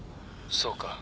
そうか。